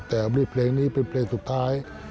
แต่มีเพลงนี้เป็นเพลงสุดท้าย